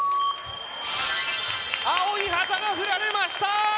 青い旗が振られました。